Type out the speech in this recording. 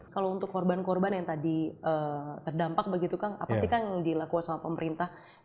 kalau untuk korban korban yang tadi terdampak begitu kang apa sih kang yang dilakukan sama pemerintah